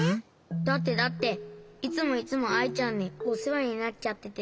だってだっていつもいつもアイちゃんにおせわになっちゃっててさ。